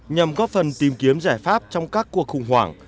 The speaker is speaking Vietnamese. nhằm góp phần tìm kiếm giải pháp trong các cuộc khủng hoảng